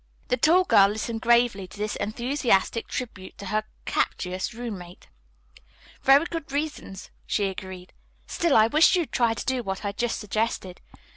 The tall girl listened gravely to this enthusiastic tribute to her captious roommate. "Very good reasons," she agreed. "Still, I wish you would try to do what I just suggested.